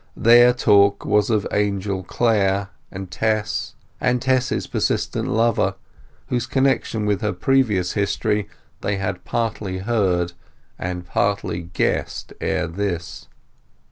Their talk was of Angel Clare and Tess, and Tess's persistent lover, whose connection with her previous history they had partly heard and partly guessed ere this.